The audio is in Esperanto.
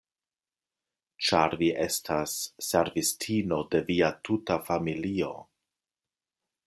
Ĉar vi estas servistino de via tuta familio.